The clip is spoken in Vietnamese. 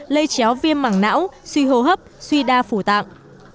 lây chéo viêm mảng não suy hô hấp suy đa phủ tạng